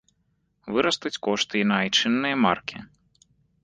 Вырастуць кошты і на айчынныя маркі.